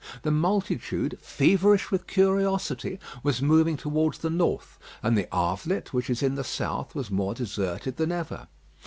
The multitude, feverish with curiosity, was moving towards the north; and the Havelet, which is in the south, was more deserted than ever.